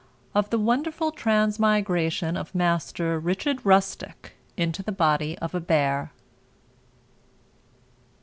Of the wonderful Transmigration of Master RICHARD RUSTICK _into the Body of a Bear.